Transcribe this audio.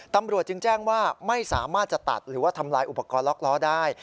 ตำรวจจึงแจ้งว่าไม่สามารถจะตัดหรือว่าทำลายอุปกรณ์ล็อกล้อได้